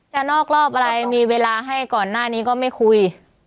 นอกรอบอะไรมีเวลาให้ก่อนหน้านี้ก็ไม่คุย